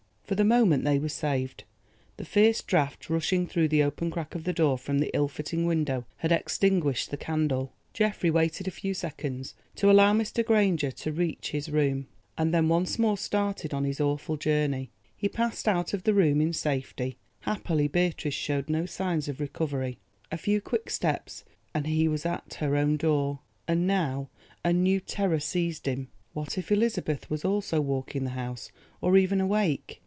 For the moment they were saved. The fierce draught rushing through the open crack of the door from the ill fitting window had extinguished the candle. Geoffrey waited a few seconds to allow Mr. Granger to reach his room, and then once more started on his awful journey. He passed out of the room in safety; happily Beatrice showed no signs of recovery. A few quick steps and he was at her own door. And now a new terror seized him. What if Elizabeth was also walking the house or even awake?